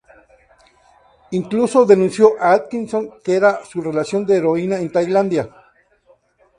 Incluso denunció a Atkinson, que era su relación de heroína en Tailandia.